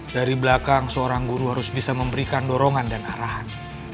dari belakang seorang guru harus bisa memberikan dorongan dan arahan